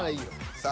さあ